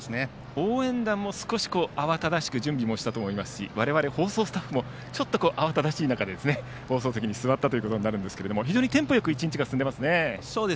応援団も少し慌しく準備をしたと思いますし我々、放送スタッフも慌ただしい中で放送席に座ったんですが非常にテンポよく１日が進んでいますね。